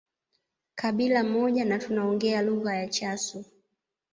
Kabila moja na tunaoongea lugha ya Chasu